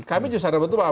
kami justru sadar betul pak